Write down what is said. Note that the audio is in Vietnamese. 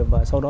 và sau đó